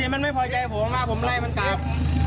มันไม่พอใจผมผมไล่มันกลับ